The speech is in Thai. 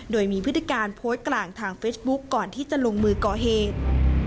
โดยมีพฤติการโพสต์กลางทางเฟซบุ๊คก่อนที่จะลงมือก่อเหตุ